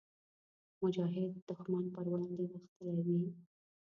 مجاهد د ښمن پر وړاندې غښتلی وي.